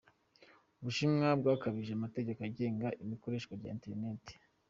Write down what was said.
U Bushinwa bwakajije amategeko agenga ikoreshwa rya eterinete